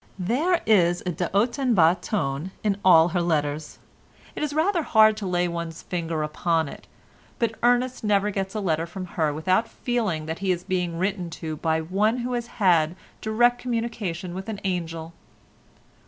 There is a de haut en bas tone in all her letters; it is rather hard to lay one's finger upon it but Ernest never gets a letter from her without feeling that he is being written to by one who has had direct communication with an angel.